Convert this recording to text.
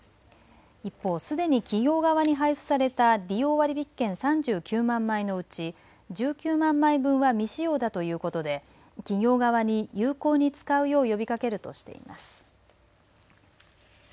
一方、すでに企業側に配付された利用割引券３９万枚のうち１９万枚分は未使用だということで企業側に有効に使うよう呼びかけるとしています。